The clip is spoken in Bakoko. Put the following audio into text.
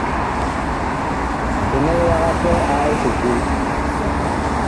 Kɛnɛg yaga pɛ a esuklu.